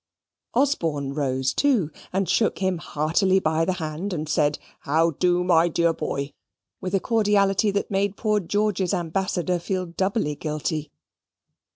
Osborne rose too, and shook him heartily by the hand, and said, "How do, my dear boy?" with a cordiality that made poor George's ambassador feel doubly guilty.